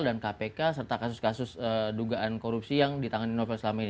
dan kpk serta kasus kasus dugaan korupsi yang ditangani novel selama ini